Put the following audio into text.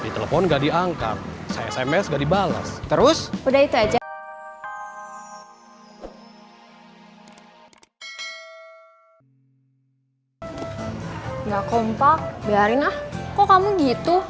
kok kamu gitu